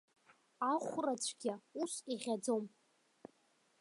Ахәрацәгьа ус иӷьаӡом!